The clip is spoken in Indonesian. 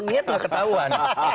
niat nggak ketahuan